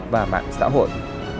và mạng xã hội